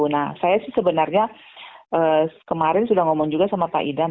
nah saya sih sebenarnya kemarin sudah ngomong juga sama pak idam